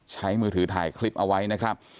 มือถือถ่ายคลิปเอาไว้นะครับ